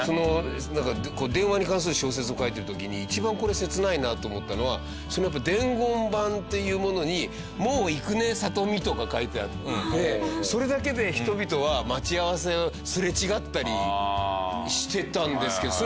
なんか電話に関する小説を書いている時に一番これ切ないなと思ったのは伝言板っていうものに「もう行くねさとみ」とか書いてあってそれだけで人々は待ち合わせをすれ違ったりしてたんですけど。